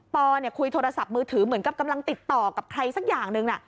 อคุยโทรศัพท์มือถือเหมือนกับกำลังติดต่อกับใครสักอย่างหนึ่ง